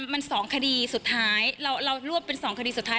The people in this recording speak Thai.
มัน๒คดีสุดท้ายเรารวบเป็น๒คดีสุดท้าย